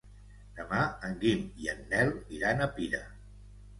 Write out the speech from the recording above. Demà en Guim i en Nel iran a Pira.